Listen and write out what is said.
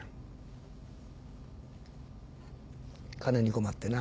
金に困ってな。